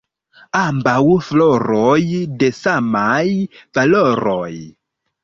Ambaŭ floroj de samaj valoroj.